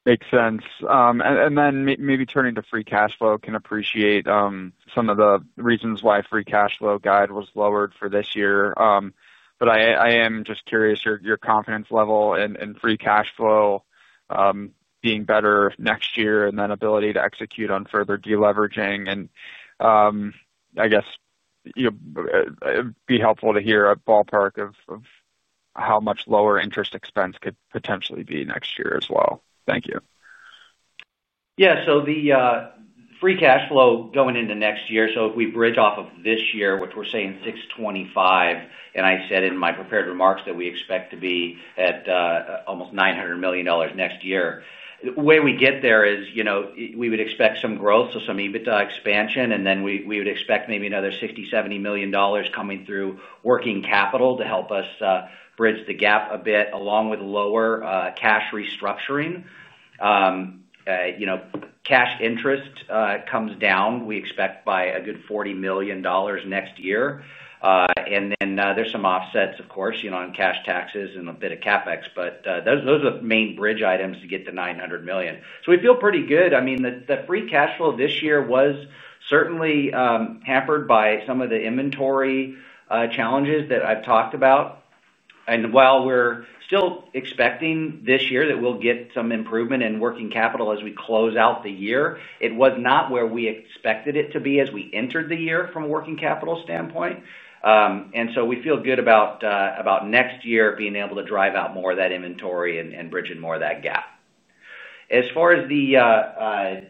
Makes sense. Maybe turning to free cash flow. I can appreciate some of the reasons why free cash flow guide was lowered for this year. I am just curious your confidence level in free cash flow being better next year, and then ability to execute on further deleveraging. It'd be helpful to hear a ballpark of how much lower interest expense could potentially be next year as well. Thank you. Yeah. The free cash flow going into next year, if we bridge off of this year, which we're saying $625 million, and I said in my prepared remarks that we expect to be at almost $900 million next year. Where we get there is, you know, we would expect some growth, so some EBITDA expansion, and then we would expect maybe there's $60 million, $70 million coming through working capital to help us bridge the gap a bit along with lower cash restructuring. Cash interest comes down, we expect by a good $40 million next year. There are some offsets, of course, on cash taxes and a bit of CapEx. Those are the main bridge items to get to $900 million. We feel pretty good. The free cash flow this year was certainly hampered by some of the inventory challenges that I've talked about. While we're still expecting this year that we'll get some improvement in working capital as we close out the year, it was not where we expected it to be as we entered the year from a working capital standpoint. We feel good about next year being able to drive out more of that inventory and bridging more of that gap as far as the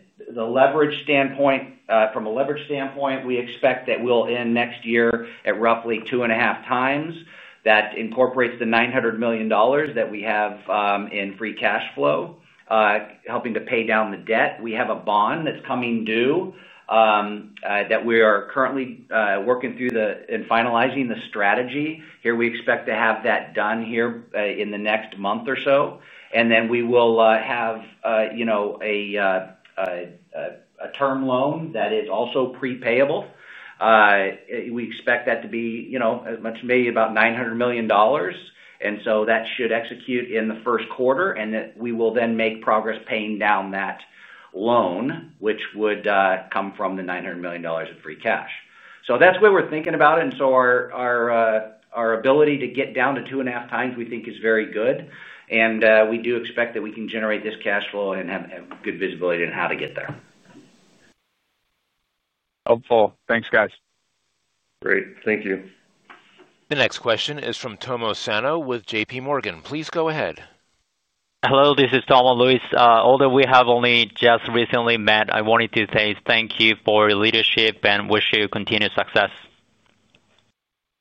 leverage standpoint. From a leverage standpoint, we expect that we'll end next year at roughly 2.5x. That incorporates the $900 million that we have in free cash flow helping to pay down the debt. We have a bond that's coming due that we are currently working through and finalizing the strategy here. We expect to have that done here in the next month or so. We will have a term loan that is also prepayable. We expect that to be as much, maybe about $900 million. That should execute in the first quarter and we will then make progress paying down that loan, which would come from the $900 million of free cash. That's what we're thinking about. Our ability to get down to 2.5x we think is very good. We do expect that we can generate this cash flow and have good visibility on how to get there. Helpful. Thanks guys. Great, thank you. The next question is from Tomo Sano with JPMorgan. Please go ahead. Hello, this is Tomo. Louis, although we have only just recently met, I wanted to say thank you for your leadership and wish you continued success.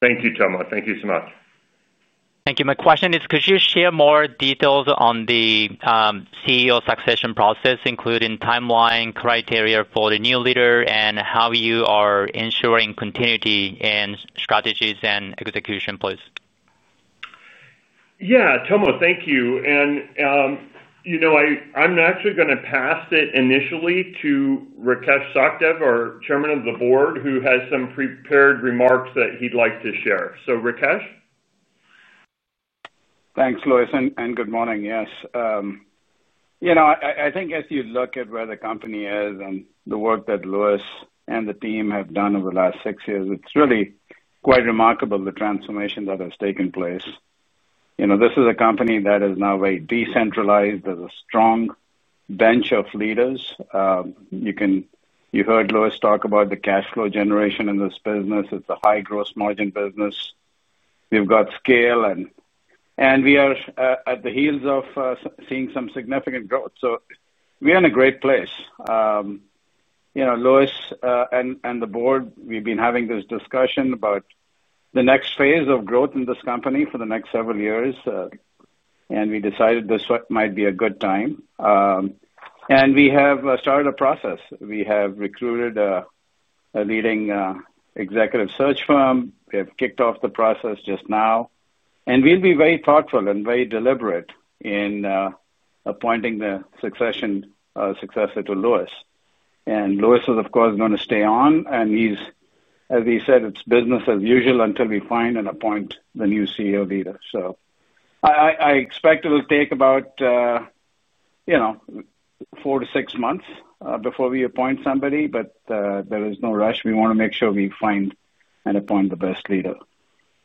Thank you, Tomo. Thank you so much. Thank you. My question is, could you share more details on the CEO succession process, including timeline, criteria for the new leader, and how you are ensuring continuity in strategies and execution, please? Yeah, Tomo, thank you. I'm actually going to pass it initially to Rakesh Sachdev, our Chairman of the Board, who has some prepared remarks that he'd like to share. Rakesh. Thanks Louis and good morning. Yes, you know, I think as you look at where the company is and the work that Louis and the team have done over the last six years, it's really quite remarkable the transformation that has taken place. You know, this is a company that is now very decentralized and has a strong bench of leaders. You heard Louis talk about the cash flow generation in this business. It's a high gross margin business. We've got scale and we are at the heels of seeing some significant growth. We're in a great place. You know, Louis and the board, we've been having this discussion about the next phase of growth in this company for the next several years. We decided this might be a good time and we have started a process. We have recruited a leading executive search firm. We have kicked off the process just now and we'll be very thoughtful and very deliberate in appointing the successor to Louis. Louis is of course going to stay on and, as he said, it's business as usual until we find and appoint the new CEO. I expect it will take about four to six months before we appoint somebody, but there is no rush. We want to make sure we find and appoint the best leader.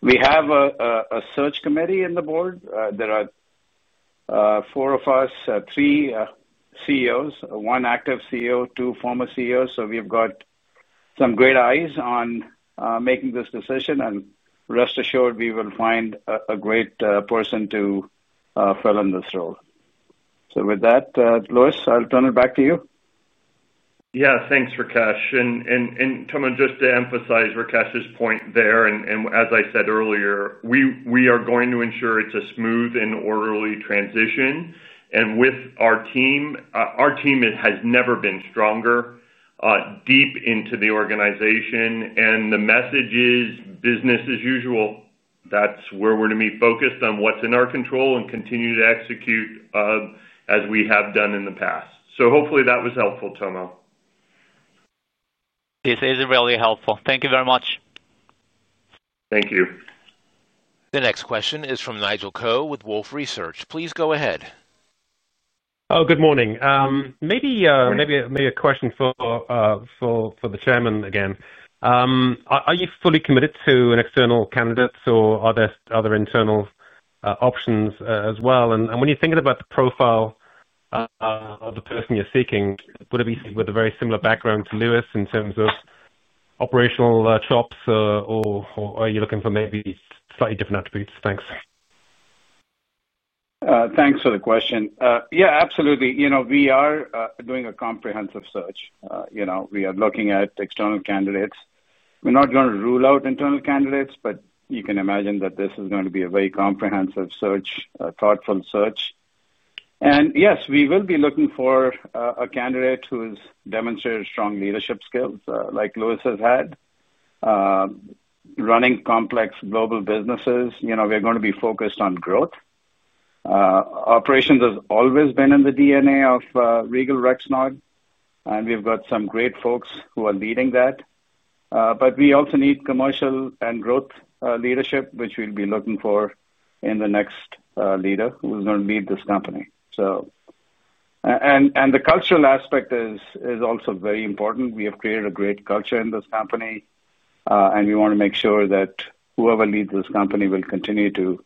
We have a search committee in the board. There are four of us, three CEOs, one active CEO, two former CEOs, so we've got some great eyes on making this decision. Rest assured, we will find a great person to fill in this role. With that, Louis, I'll turn it back to you. Yeah, thanks, Rakesh. Tomo, just to emphasize Rakesh's point there, as I said earlier, we are going to ensure it's a smooth and orderly transition. With our team, our team has never been stronger deep into the organization. The message is business as usual. That's where we're going to be focused on what's in our control and continue to execute as we have done in the past. Hopefully that was helpful. Tomo. This is really helpful. Thank you very much. Thank you. The next question is from Nigel Coe with Wolfe Research. Please go ahead. Oh, good morning. Maybe a question for the Chairman again. Are you fully committed to an external candidate or are there other internal options as well? When you're thinking about the profile of the person you're seeking, would it be with a very similar background to Louis in terms of operational chops, or are you looking for maybe slightly different attributes? Thanks. Thanks for the question. Yeah, absolutely. We are doing a comprehensive search. We are looking at external candidates. We're not going to rule out internal candidates, but you can imagine that this is going to be a very comprehensive, thoughtful search. Yes, we will be looking for a candidate who's demonstrated strong leadership skills like Louis has had running complex global businesses. You know, we're going to be focused on growth. Operations has always been in the DNA of Regal Rexnord and we've got some great folks who are leading that. We also need commercial and growth leadership, which we'll be looking for in the next leader who's going to lead this company. The cultural aspect is also very important. We have created a great culture in this company and we want to make sure that whoever leads this company will continue to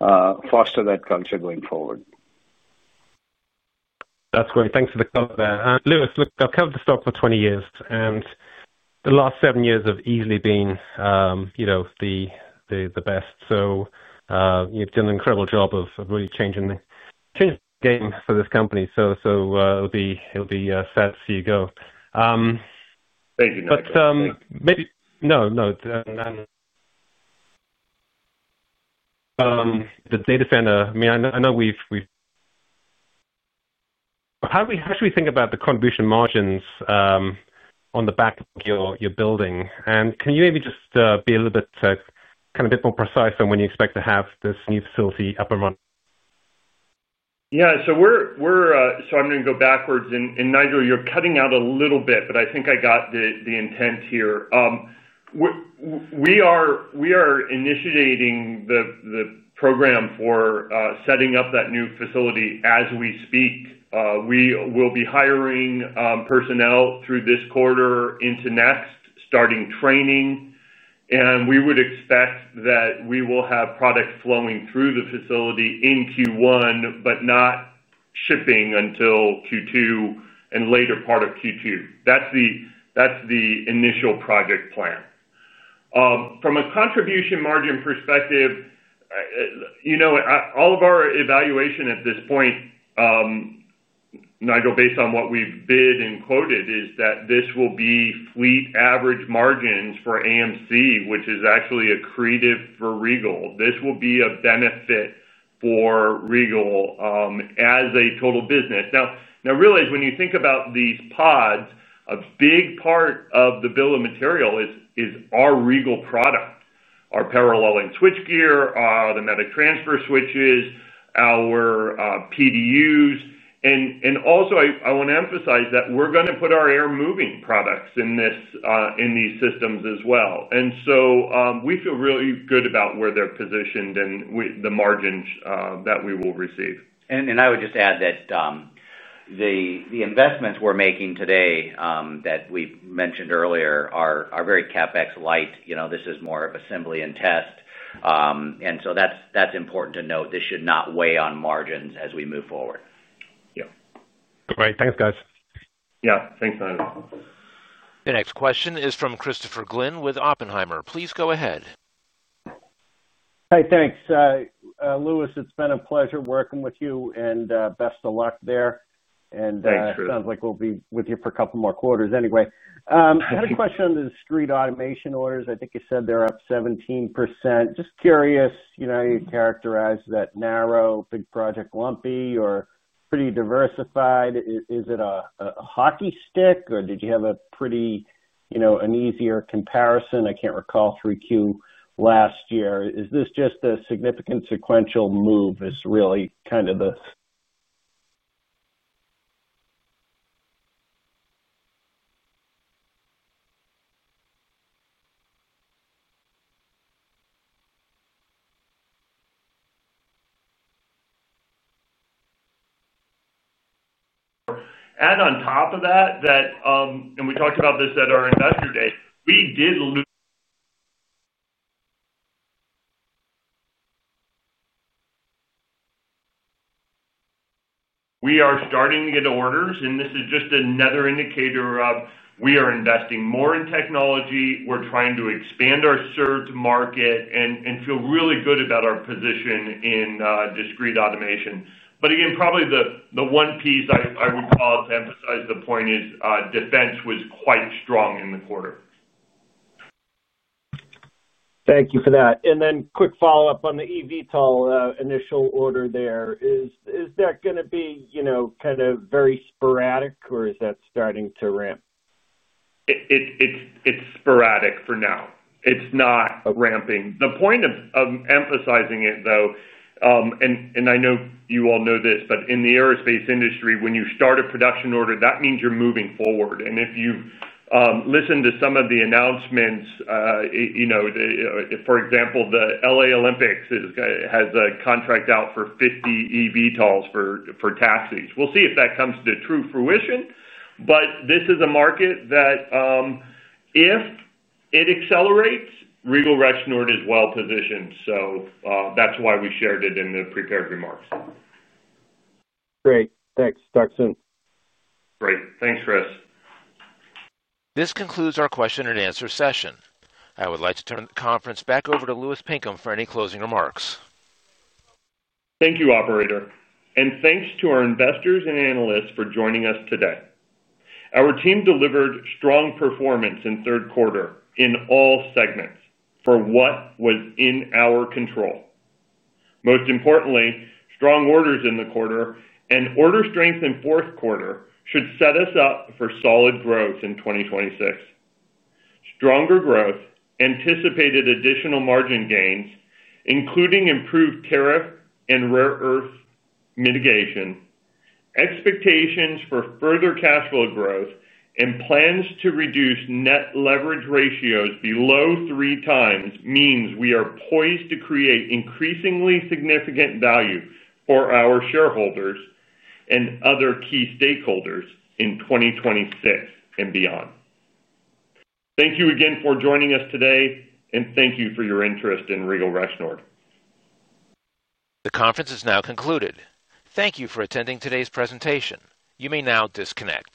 foster that culture going forward. That's great. Thanks for the color there, Louis. Look, I've covered the stock for 20 years and the last seven years have easily been, you know, the best. You've done an incredible job of really changing the change for this company. It'll be sad to see you go. Thank you. Maybe, the data center, I mean, I know we've—how should we think about the contribution margins on the back of your building? Can you maybe just be a little bit more precise on when you expect to have this new facility up and running? Yeah, so I'm going to go backwards. Nigel, you're cutting out a little bit, but I think I got the intent here. We are initiating the program for setting up that new facility as we speak. We will be hiring personnel through this quarter into next, starting training. We would expect that we will have product flowing through the facility in Q1, but not shipping until Q2 and later part of Q2. That's the initial project plan. From a contribution margin perspective, all of our evaluation at this point, Nigel, based on what we've bid and quoted, is that this will be fleet average margins for AMC, which is actually accretive for Regal Rexnord. This will be a benefit for Regal Rexnord as a total business. Now, realize when you think about these pods, a big part of the bill of material is our Regal Rexnord product, our paralleling switchgear, automatic transfer switches, our PDUs. I also want to emphasize that we're going to put our air moving products in these systems as well. We feel really good about where they're positioned and with the market margins that we will receive. I would just add that the investments we're making today that we mentioned earlier are very CapEx light. You know, this is more of assembly and test, and that's important to note. This should not weigh on margins as we move forward. Yeah, great. Thanks, guys. Yeah, thanks Nigel. The next question is from Christopher Glynn with Oppenheimer. Please go ahead. Hey, thanks Louis. It's been a pleasure working with you and best of luck there. It sounds like we'll be with you for a couple more quarters. Anyway, I had a question on the discrete automation orders. I think you said they're up 17%. Just curious, you know, you characterize that narrow, big project lumpy or pretty diversified? Is it a hockey stick, or did you have a pretty, you know, an easier comparison? I can't recall 3Q last year. Is this just a significant sequential move? Is really kind of the. On top of that, we talked about this at our investor day. We did lose. We are starting to get orders, and this is just another indicator of we are investing more in technology. We're trying to expand our served market and feel really good about our position in discrete automation. Probably the one piece I would call to emphasize the point is defense was quite strong in the quarter. Thank you for that. Quick follow up on the eVTOL initial order there. Is that going to be kind of very sporadic or is that starting to ramp? It's sporadic for now. It's not ramping. The point of emphasizing it though, and I know you all know this, in the aerospace industry, when you start a production order, that means you're moving forward. If you listen to some of the announcements, for example, the LA Olympics has a contract out for 50 eVTOLs for four taxis. We'll see if that comes to true fruition. This is a market that if it accelerates, Regal Rexnord is well positioned. That's why we shared it in the prepared remarks. Great thanks, start soon. Great, thanks Chris. This concludes our question and answer session. I would like to turn the conference back over to Louis Pinkham for any closing remarks. Thank you, operator, and thanks to our investors and analysts for joining us today. Our team delivered strong performance in third quarter in all segments for what was in our control. Most importantly, strong orders in the quarter and order strength in fourth quarter should set us up for solid growth in 2026. Stronger growth, anticipated additional margin gains, including improved tariff and rare earth mitigation, expectations for further cash flow growth, and plans to reduce net leverage ratios below 3x means we are poised to create increasingly significant value for our shareholders and other key stakeholders in 2026 and beyond. Thank you again for joining us today and thank you for your interest in Regal Rexnord. The conference has now concluded. Thank you for attending today's presentation. You may now disconnect.